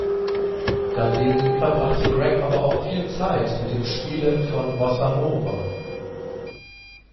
Daneben verbrachte Greg aber auch viel Zeit mit dem Spielen von Bossa Nova.